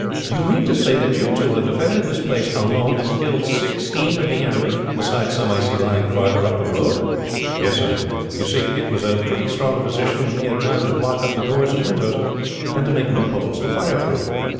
"Do you mean to say that you two have defended this place alone, and killed sixteen of the enemy, besides some I see lying farther up the road?" "Yes, Uncle. You see, it was a pretty strong position, and we had time to block up the doors and windows, and to make loopholes to fire through."